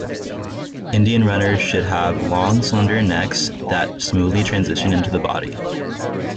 Indian Runners should have long, slender necks that smoothly transition into the body.